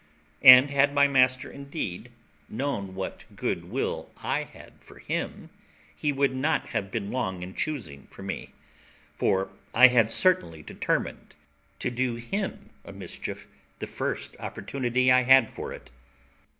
And had my master, indeed, known what good will I had for him, he would not have been long in choosing for me; for I had certainly determined to do him a mischief the first opportunity I had for it.